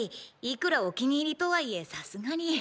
いくらお気に入りとはいえさすがに。